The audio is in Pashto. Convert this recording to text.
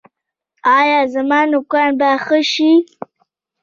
ایا زما نوکان به ښه شي؟